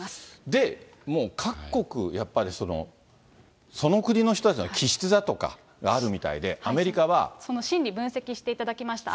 で、もう各国、やっぱりその、その国の人たちの気質だとかがあその心理、分析していただきました。